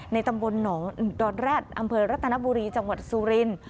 ตำบลหนองดอนแร็ดอำเภอรัตนบุรีจังหวัดสุรินทร์